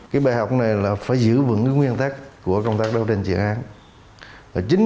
cái bài học này là phải giữ vững cái nguyên tắc của công tác đối tượng truyền án